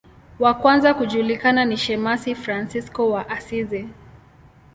Wa kwanza kujulikana ni shemasi Fransisko wa Asizi.